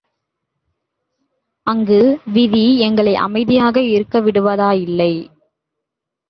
அங்கு விதி எங்களை அமைதியாக இருக்க விடுவதாயில்லை.